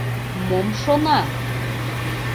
Мом шона?